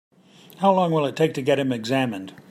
How long will it take to get him examined?